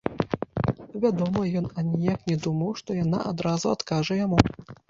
Вядома, ён аніяк не думаў, што яна адразу адкажа яму.